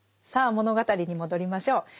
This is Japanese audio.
さあ物語に戻りましょう。